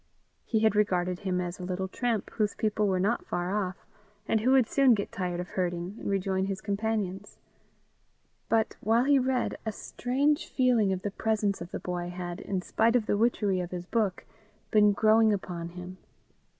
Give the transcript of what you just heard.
He had regarded him as a little tramp, whose people were not far off, and who would soon get tired of herding and rejoin his companions; but while he read, a strange feeling of the presence of the boy had, in spite of the witchery of his book, been growing upon him.